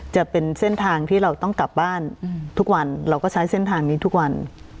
จะเป็นเส้นทางที่เราต้องกลับบ้านทุกวันเราก็ใช้เส้นทางนี้ทุกวัน